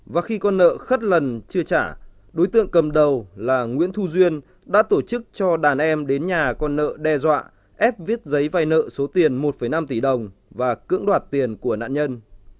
và khi con nợ khất lần chưa trả đối tượng cầm đầu là nguyễn thu duyên đã tổ chức cho đàn em đến nhà con nợ đe dọa ép viết giấy vay nợ số tiền một năm tỷ đồng và cưỡng đoạt tiền của nạn nhân